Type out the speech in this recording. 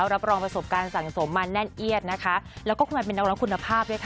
รับรองประสบการณ์สังสมมาแน่นเอียดและเป็นนักร้องคุณภาพ